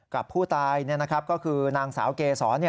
กับผู้ตายก็คือนางสาวเกษร